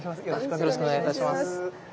よろしくお願いします。